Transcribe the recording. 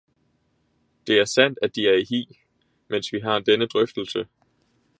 Det er sandt, at de er i hi, mens vi har denne drøftelse.